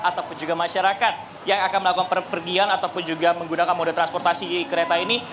ataupun juga masyarakat yang akan melakukan perpergian ataupun juga menggunakan moda transportasi kereta ini